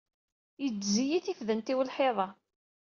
Yeddez-iyi tifdent-iw lḥiḍ-a.